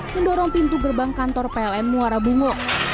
mendorong pintu gerbang kantor pln muara bungo